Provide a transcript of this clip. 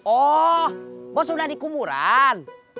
oh bos udah di kumuran